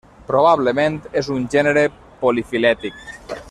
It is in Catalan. Probablement és un gènere polifilètic.